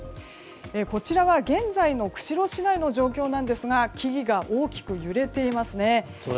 こちらは現在の釧路市内の状況ですが木々が大きく揺れていますね。